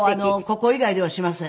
ここ以外ではしません。